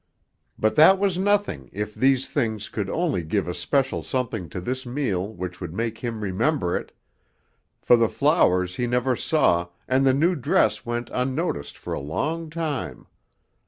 But that was nothing, if these things could only give a special something to this meal which would make him remember it; for the flowers he never saw, and the new dress went unnoticed for a long time.